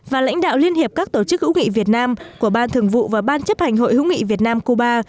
và lãnh đạo liên hiệp các tổ chức hữu nghị việt nam của ban thường vụ và ban chấp hành hội hữu nghị việt nam cuba